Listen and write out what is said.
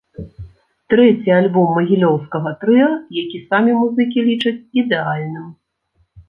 Трэці альбом магілёўскага трыа, які самі музыкі лічаць ідэальным.